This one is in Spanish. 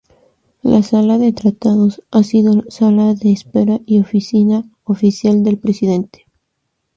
La Sala de Tratados ha sido sala de espera, y oficina oficial del presidente.